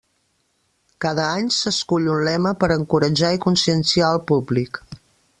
Cada any s'escull un lema per encoratjar i conscienciar al públic.